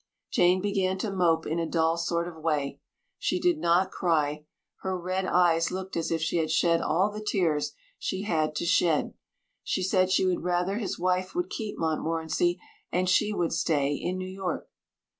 Jane began to mope in a dull sort of way. She did not cry. Her red eyes looked as if she had shed all the tears she had to shed. She said she would rather his wife would keep Montmorency, and she would stay in New York.